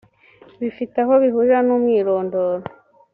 bifite aho bihurira n umwirondoro